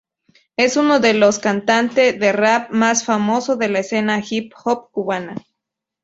Es uno de los cantante de rap más famoso de la escena hip-hop cubana.